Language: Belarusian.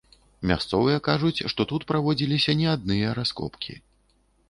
Мясцовыя кажуць, што тут праводзіліся не адныя раскопкі.